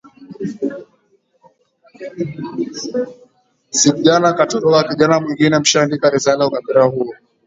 sic jana akatoroka kijana mwingine mshaandika risala ukapera huo